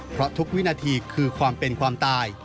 เพราะทุกวินาทีคือความเป็นความตาย